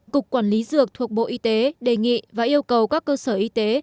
cục quản lý dược thuộc bộ y tế đề nghị và yêu cầu các cơ sở y tế